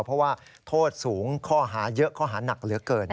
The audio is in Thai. เพราะว่าโทษสูงข้อหาเยอะข้อหานักเหลือเกิน